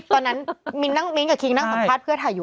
ตอนนั้นมินต์กับคลิงต้องสัมภาษณ์เพื่อถ่ายอยู่